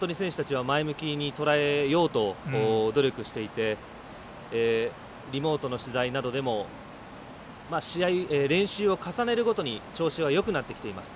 本当に選手たちは前向きにとらえようと努力していて、リモートの取材などでも練習を重ねるごとに調子はよくなってきていますと。